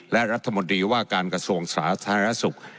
และรัฐมนตรีว่าการกระทรวงสาธารณสุข